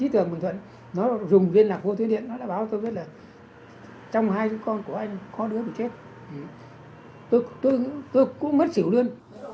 tôi cũng mất xỉu luôn